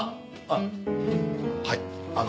あっはい。